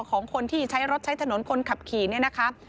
ของคนที่ใช้รถใช้ถนนคนขับขี่เนี่ยนะคะ